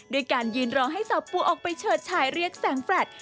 การยืนรอให้สาวปูออกไปเฉิดฉายเรียกแสงแฟลต